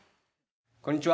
こんにちは。